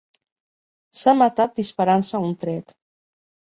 S'ha matat disparant-se un tret.